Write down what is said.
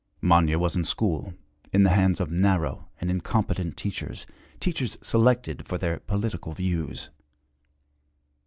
Manya was in school, in the hands of narrow and incompetent teachers, teachers selected for their political views.